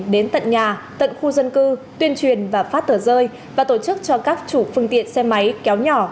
đến tận nhà tận khu dân cư tuyên truyền và phát tờ rơi và tổ chức cho các chủ phương tiện xe máy kéo nhỏ